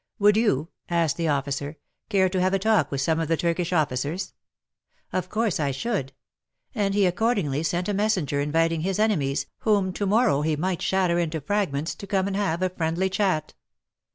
"Would you," asked the officer, *' care to have a talk with some of the Turkish officers ?" Of course I should. And he accordingly sent a messenger inviting his enemies, whom to morrow he might shatter into fragments, to come and have a friendly chat